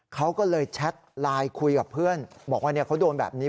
เขาก็เลยแชทไลน์คุยกับเพื่อนบอกว่าเขาโดนแบบนี้